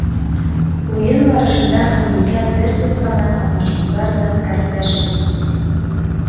Уйын барышында Ханбикә бер туҡтамай ҡатнашыусылар менән әрепләшеп: